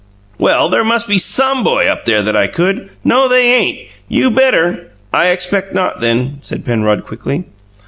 "Well, there must be SOME boy up there that I could " "No, they ain't! You better " "I expect not, then," said Penrod, quickly.